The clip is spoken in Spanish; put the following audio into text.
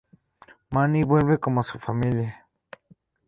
Manny vuelve con su familia.